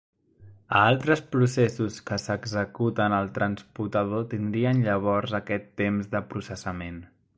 A altres processos que s'executen al transputador tindrien llavors aquest temps de processament.